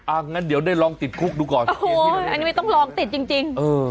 งั้นเดี๋ยวได้ลองติดคุกดูก่อนโอ้โหอันนี้ไม่ต้องลองติดจริงจริงเออ